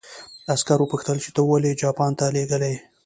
عسکر وپوښتل چې ته یې ولې جاپان ته لېږلی وې